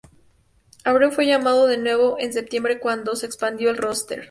Abreu fue llamado de nuevo en septiembre, cuando se expandió el roster.